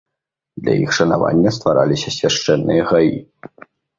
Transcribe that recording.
Для іх шанавання ствараліся свяшчэнныя гаі.